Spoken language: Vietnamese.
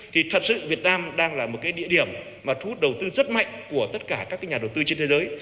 thì thật sự việt nam đang là một cái địa điểm mà thu hút đầu tư rất mạnh của tất cả các nhà đầu tư trên thế giới